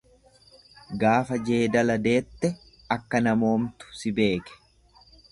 Gaafa jeedala deette, akka namoomtu si beeke.